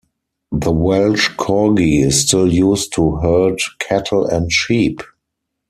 The Welsh Corgi is still used to herd cattle and sheep.